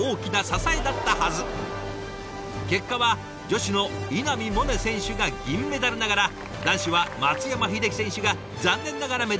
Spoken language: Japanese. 結果は女子の稲見萌寧選手が銀メダルながら男子は松山英樹選手が残念ながらメダルまであと一歩でした。